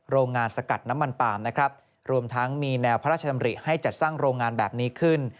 โรงงานสกัดน้ำมันปาล์มนะครับรวมทั้งมีแนวพระราชดำริให้จัดสร้างโรงงานแบบนี้ขึ้น